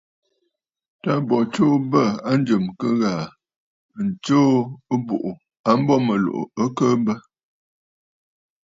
Tâ bo tsuu bə̂ a njɨ̀m ɨ kɨ ghàà, ɨ tsuu ɨbùꞌù a mbo mɨ̀lùꞌù ɨ kɨɨ bə.